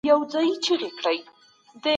سياسي قدرت د فردي قدرتونو له مجموعې څخه جوړېږي.